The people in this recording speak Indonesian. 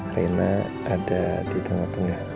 crena ada di tengah tengah